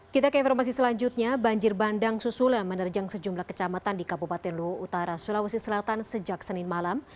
kita ke informasi selanjutnya banjir bandang susulan menerjang sejumlah kecamatan di kabupaten luhut utara sulawesi selatan sejak senin malam